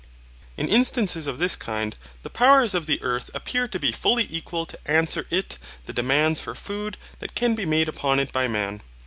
(In instances of this kind the powers of the earth appear to be fully equal to answer it the demands for food that can be made upon it by man.